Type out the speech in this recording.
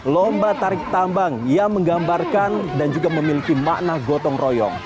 lomba tarik tambang yang menggambarkan dan juga memiliki makna gotong royong